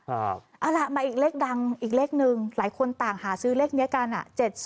เอาล่ะมาอีกเลขดังอีกเลขหนึ่งหลายคนต่างหาซื้อเลขนี้กัน๗๐